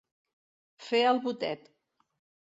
Fer el botet.